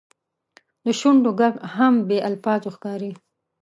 د شونډو ږغ هم بې الفاظو ښکاري.